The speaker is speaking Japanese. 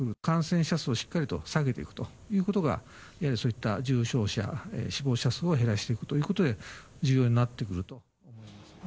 感染者数をしっかりと下げていくということが、やはりそういった重症者、死亡者数を減らしていくということに重要になってくると。